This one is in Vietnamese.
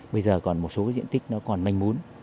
bây giờ còn một số diện tích nó còn manh mún